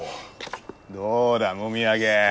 どうだもみあげ。